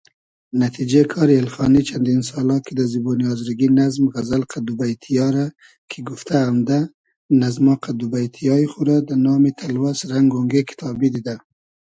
نتیجې کاری اېلخانی چئندین سالا کی دۂ زیبۉنی آزرگی نئزم، غئزئل قئد دو بݷتی یا رۂ کی گوفتۂ امدۂ، نئزما قئد دوبݷتی یای خو رۂ دۂ نامی تئلوئس رئنگ اۉنگې کیتابی دیدۂ